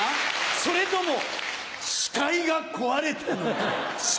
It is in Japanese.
それとも司会が壊れてんのか。